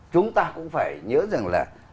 chúng ta cũng phải nhớ rằng là